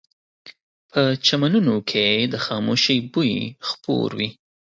په چمنونو کې د خاموشۍ بوی خپور وي